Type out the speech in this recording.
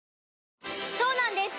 そうなんです